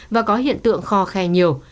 và có hiện tượng khó khe nhiều